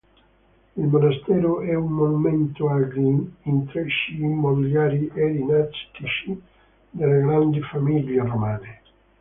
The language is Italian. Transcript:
Il monastero è un monumento agli intrecci immobiliari e dinastici delle grandi famiglie romane.